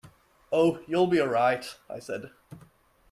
"Oh, you'll be all right," I said.